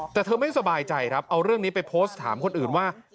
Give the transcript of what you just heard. แต่เธอไม่สบายใจครับเอาเรื่องนี้ไปโพสต์ถามคนอื่นว่า